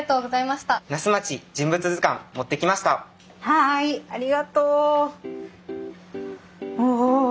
はいありがとう。お。